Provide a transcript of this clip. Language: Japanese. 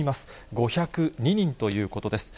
５０２人ということです。